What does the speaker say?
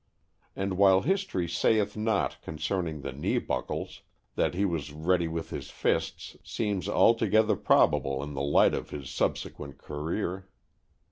And while history saith not concerning the knee buckles, that he was ready with his fists seems altogether probable in the light of his subsequent career.